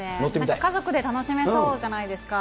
家族で楽しめそうじゃないですか。